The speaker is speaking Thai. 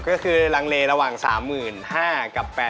ก็คือลังเลระหว่าง๓๕๐๐กับ๘๐